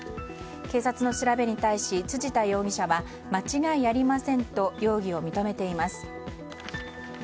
警察の調べに対し辻田容疑者は間違いありませんと容疑を認めています。